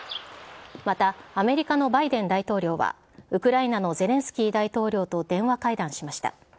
また、アメリカのバイデン大統領は、ウクライナのゼレンスキー大統領と電話会談しました。